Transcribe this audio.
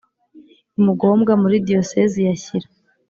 i Mugombwa muri Diyosezi ya shyira